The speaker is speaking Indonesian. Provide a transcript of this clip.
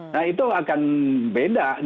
nah itu akan beda